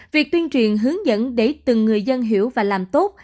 việc tuyên truyền hướng dẫn để từng người dân hiểu và làm tốt